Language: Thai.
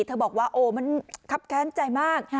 เขาบอกว่าโอ้มันครับแค้นใจมาก